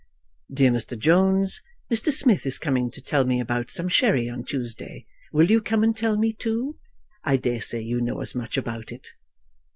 "Dear Mr. Jones. Mr. Smith is coming to tell me about some sherry on Tuesday. Will you come and tell me too? I daresay you know as much about it."